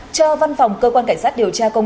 cho văn phòng cơ quan cảnh sát điều tra công an